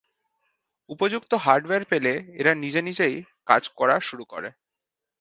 উপযুক্ত হার্ডওয়্যার পেলে এরা নিজে নিজেই কাজ করা শুরু করে।